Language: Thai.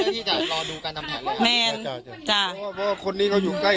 เพื่อที่จะรอดูกันทำเหตุการทำเหตุแล้วแหมนจ้ะจ๋าเขาว่าคนนี้เขาอยู่ใกล้